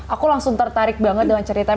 aku langsung tertarik banget dengan cerita